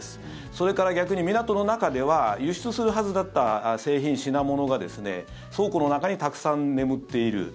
それから逆に港の中では輸出するはずだった製品、品物が倉庫の中にたくさん眠っている。